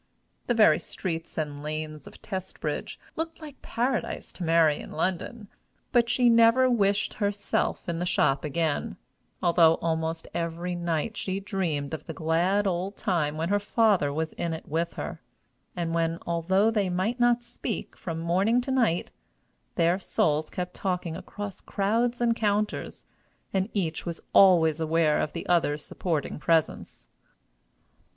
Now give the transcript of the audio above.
The very streets and lanes of Testbridge looked like paradise to Mary in Lon don. But she never wished herself in the shop again, although almost every night she dreamed of the glad old time when her father was in it with her, and when, although they might not speak from morning to night, their souls kept talking across crowd and counters, and each was always aware of the other's supporting presence.